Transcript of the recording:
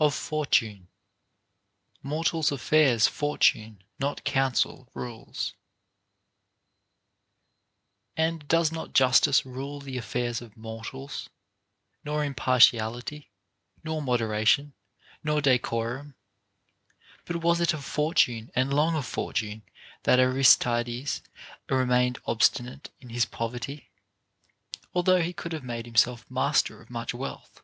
OF FORTUNE. MORTALS' AFFAIRS FORTUNE NOT COUNSEL RULES* 1. And does not justice rule the affairs of mortals, — nor impartiality, nor moderation, nor decorum \ But was it of Fortune and long of Fortune that Aristides remained obstinate in his poverty, although he could have made himself master of much wealth